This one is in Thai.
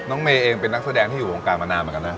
เมย์เองเป็นนักแสดงที่อยู่วงการมานานเหมือนกันนะ